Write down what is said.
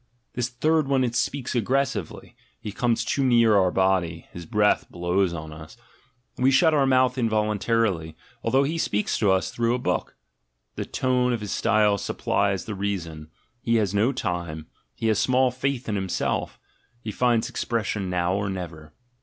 This third one speaks aggressively, he comes too near our body, his breath blows on us — we shut our mouth involuntarily, although he speaks to us through a book: the tone of his style supplies the reason — he has no time, he has small faith in himself, he finds expression now or never.